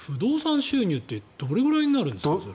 不動産収入ってどれぐらいになるんですか？